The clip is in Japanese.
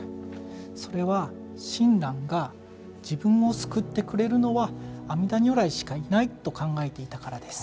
それは、親鸞が自分を救ってくれるのは阿弥陀如来しかいないと考えていたからです。